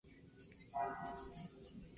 Presentó su tesis “"Pequeños grandes cambios.